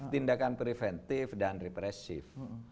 tindakan preventif dan repressif